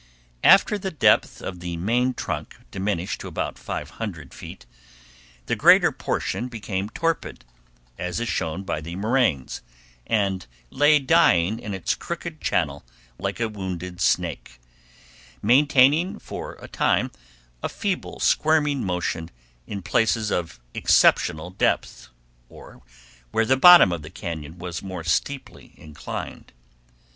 After the depth of the main trunk diminished to about five hundred feet, the greater portion became torpid, as is shown by the moraines, and lay dying in its crooked channel like a wounded snake, maintaining for a time a feeble squirming motion in places of exceptional depth, or where the bottom of the cañon was more steeply inclined.